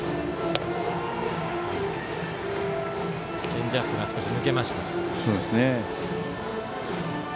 チェンジアップが少し抜けました。